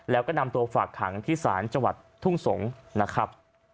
แล้วก็นำตัวฝากขังที่ศาลจังหวัดทุ่งสงศ์นะครับ